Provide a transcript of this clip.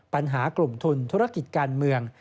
ปัญหากลุ่มทุนธุรกิจการเมือง